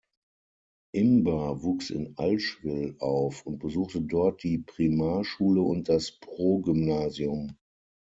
Imber wuchs in Allschwil auf und besuchte dort die Primarschule und das Progymnasium.